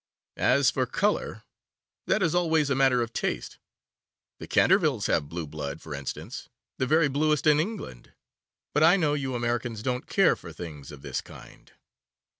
As for colour, that is always a matter of taste: the Cantervilles have blue blood, for instance, the very bluest in England; but I know you Americans don't care for things of this kind.